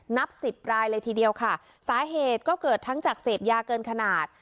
นับสิบรายเลยทีเดียวค่ะสาเหตุก็เกิดทั้งจากเสพยาเกินขนาด